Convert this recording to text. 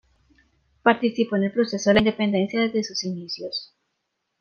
Participó en el proceso de la Independencia desde sus inicios.